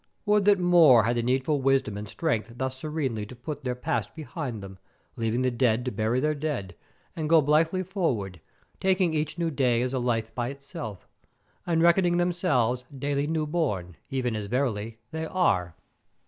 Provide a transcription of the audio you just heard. Would that more had the needful wisdom and strength thus serenely to put their past behind them, leaving the dead to bury their dead, and go blithely forward, taking each new day as a life by itself, and reckoning themselves daily new born, even as verily they are!